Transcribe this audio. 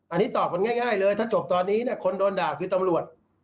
อันนี้ตอบกันง่ายเลยถ้าจบตอนนี้คนโดนด่าคือตำรวจ